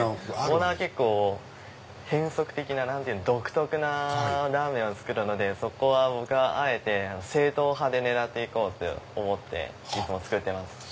オーナー結構変則的な独特なラーメンを作るのでそこは僕はあえて正統派で狙っていこうと思って作ってます。